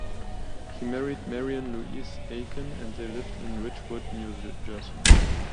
He married Marion Louise Aiken and they lived in Ridgewood, New Jersey.